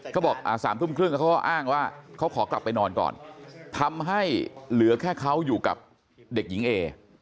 เขาบอก๓ทุ่มครึ่งเขาก็อ้างว่าเขาขอกลับไปนอนก่อนทำให้เหลือแค่เขาอยู่กับเด็กหญิงเอ